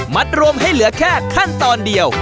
รวมให้เหลือแค่ขั้นตอนเดียว